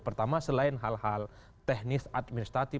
pertama selain hal hal teknis administratif